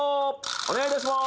お願いいたします。